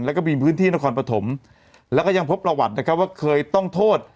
แล้วก็มีพื้นที่นครปฐมแล้วก็ยังพบประวัตินะครับว่าเคยต้องโทษ